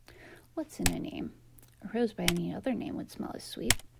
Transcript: What's in a name? A rose by any other name would smell as sweet.